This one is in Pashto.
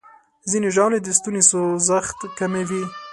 ځینې ژاولې د ستوني سوځښت کموي.